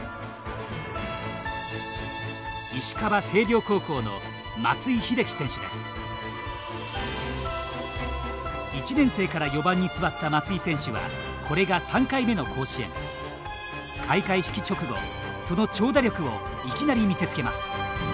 石川・星稜高校の１年生から４番に座った松井選手はこれが３回目の甲子園。開会式直後その長打力をいきなり見せつけます。